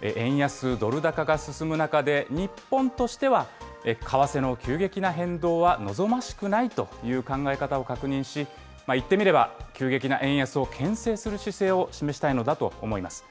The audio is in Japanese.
円安ドル高が進む中で、日本としては、為替の急激な変動は望ましくないという考え方を確認し、いってみれば、急激な円安をけん制する姿勢を示したいのだと思います。